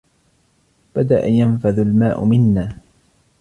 بدأ ينفذ الماء منّا.